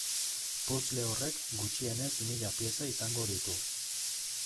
Puzzle horrek gutxienez mila pieza izango ditu.